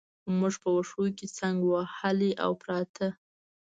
موږ په وښو کې څنګ وهلي او پراته.